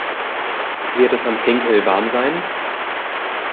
Wird es am Pink Hill warm sein?